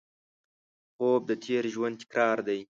خوب د تېر ژوند تکرار دی